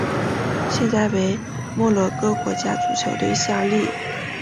现在为摩洛哥国家足球队效力。